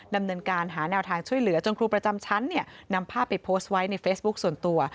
ดำเนินการหาแนวทางช่วยเหลือจนครูประจำชั้นนำภาพไปโพสต์ไว้ในเฟซบุ๊คส่วนตัว